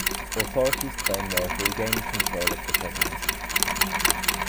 Authorities claim they have regained control of the prisons.